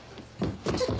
えっ？